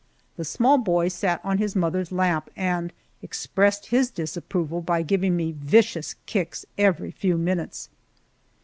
The small boy sat on his mother's lap and expressed his disapproval by giving me vicious kicks every few minutes.